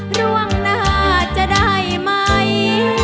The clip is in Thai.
ล่วงหน้าจะได้ไหม